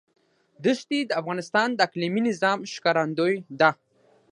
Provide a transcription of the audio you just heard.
دښتې د افغانستان د اقلیمي نظام ښکارندوی ده.